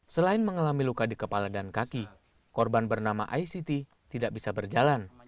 selain mengalami luka di kepala dan kaki korban bernama ict tidak bisa berjalan